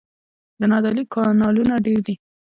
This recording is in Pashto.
د نادعلي کانالونه ډیر دي